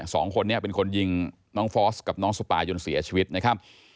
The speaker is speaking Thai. สองคนนี้เป็นคนยิงน้องฟอสกับน้องสปายจนเสียชีวิตนะครับ